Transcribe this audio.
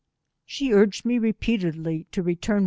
She urged me repeatedly to return.